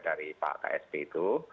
dari pak ksp itu